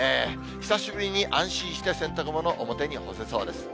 久しぶりに安心して洗濯物、表に干せそうです。